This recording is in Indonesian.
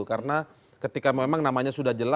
karena ketika memang namanya sudah diberikan